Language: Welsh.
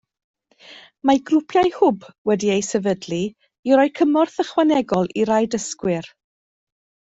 Mae grwpiau hwb wedi eu sefydlu i roi cymorth ychwanegol i rai dysgwyr